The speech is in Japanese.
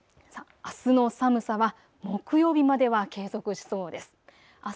あすの寒さは木曜日までは継続しそうです。